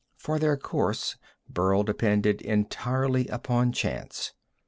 For their course, Burl depended entirely upon chance.